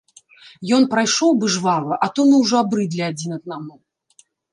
Ён прайшоў бы жвава, а то мы ўжо абрыдлі адзін аднаму.